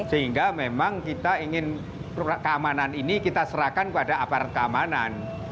sehingga memang kita ingin keamanan ini kita serahkan kepada aparat keamanan